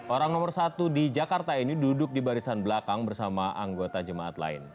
orang nomor satu di jakarta ini duduk di barisan belakang bersama anggota jemaat lain